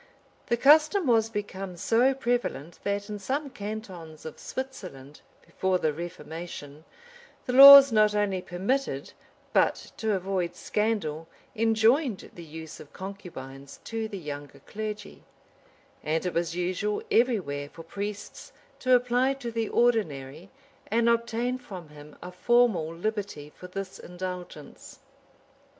The custom was become so prevalent, that, in some cantons of Switzerland, before the reformation, the laws not only permitted, but, to avoid scandal, enjoined the use of concubines to the younger clergy;[] and it was usual every where for priests to apply to the ordinary, and obtain from him a formal liberty for this indulgence.